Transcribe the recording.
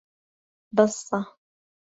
بەسە.